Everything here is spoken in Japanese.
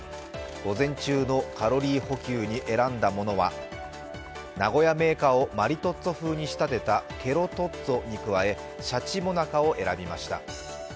午前中のカロリー補給に選んだものは、名古屋銘菓をマリトッツォ風に仕立てたケロトッツォに加え、鯱もなかを選びました。